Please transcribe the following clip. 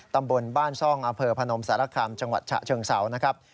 ตำบลบ้านซ่องอำเภอพนมสารคามจังหวัดฉะเชิงเสานะครับ